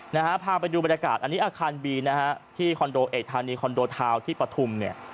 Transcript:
นะฮะพาไปดูบรรยากาศอันนี้อาคารบีนะฮะที่คอนโดเอกธานีคอนโดทาวน์ที่ปฐุมเนี่ย